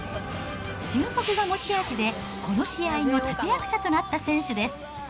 俊足が持ち味で、この試合の立て役者となった選手です。